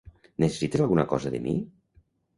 Necessites alguna cosa de mi?